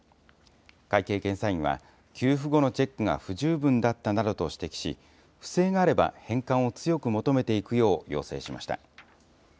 会計検査院は給付後のチェックが不十分だったなどと指摘し、不正があれば返還を強く求めていくよう要請しました。